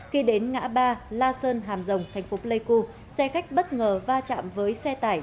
khi đến ngã ba la sơn hàm rồng thành phố pleiku xe khách bất ngờ va chạm với xe tải